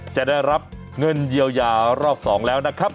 จะได้รับเงินเยียวยารอบ๒แล้วนะครับ